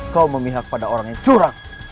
kau memihak pada orang yang curang